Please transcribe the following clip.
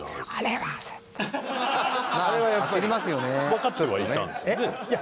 わかってはいたんですよね？